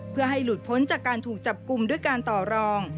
เพื่อให้หลุดพ้นจากการถูกจับกลุ่มด้วยการต่อรอง